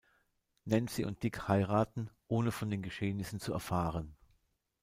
Nancy und Dick heiraten, ohne von den Geschehnissen zu erfahren.